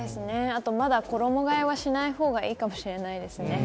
まだ衣替えはしないほうがいいかもしれませんね。